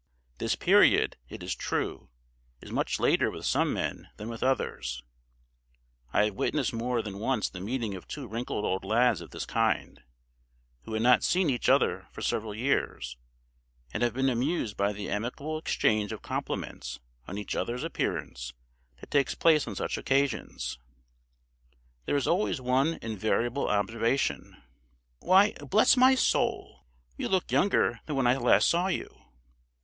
This period, it is true, is much later with some men than with others; I have witnessed more than once the meeting of two wrinkled old lads of this kind, who had not seen each other for several years, and have been amused by the amicable exchange of compliments on each other's appearance that takes place on such occasions. There is always one invariable observation, "Why, bless my soul! you look younger than when last I saw you!"